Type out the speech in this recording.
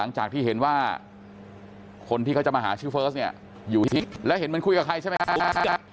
หลังจากที่เห็นว่าคนที่เขาจะมาหาชื่อเฟิร์สเนี่ยอยู่ที่นี่แล้วเห็นมันคุยกับใครใช่มั้ยครับ